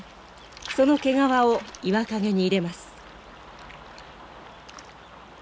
その毛皮を岩陰に入れます。